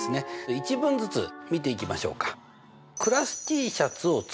１文ずつ見ていきましょうか。